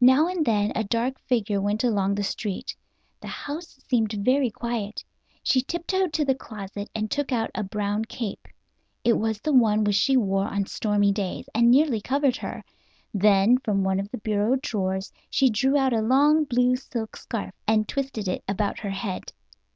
Now and then a dark figure went along the street. The house seemed very quiet. She tiptoed to the closet and took out a brown cape. It was one which she wore on stormy days, and nearly covered her. Then from one of the bureau drawers she drew out a long blue silk scarf, and twisted it about her head.